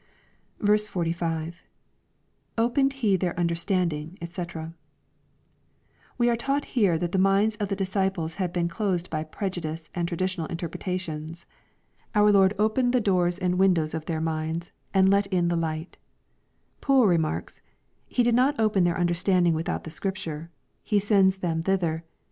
46. — [Opened he their understanding^ <fec.] We are taught here that the minds of the disciples had been closed by prejudice and tra ditional interpretations. Our Lord opened the doors and windows of their minds, and let in the light Poole remarks, " He did not open their understanding without the Scripture ; He sends them thither.